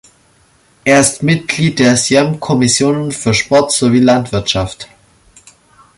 Er ist Mitglied der Sejm Kommissionen für Sport sowie Landwirtschaft.